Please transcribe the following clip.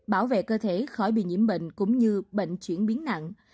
bảo vệ cơ thể khỏi bị nhiễm bệnh cũng như bệnh chuyển biến nặng